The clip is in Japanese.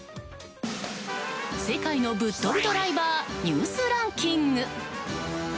世界のぶっとびドライバーニュースランキング。